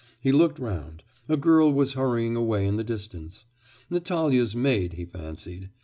He looked round; a girl was hurrying away in the distance, Natalya's maid, he fancied.